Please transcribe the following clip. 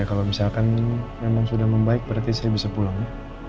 kalau misalkan memang sudah membaik berarti seribu bisa pulang ya